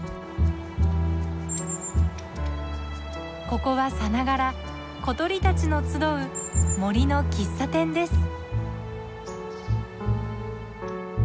ここはさながら小鳥たちの集う森の喫茶店です。